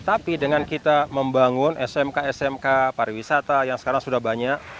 tapi dengan kita membangun smk smk pariwisata yang sekarang sudah banyak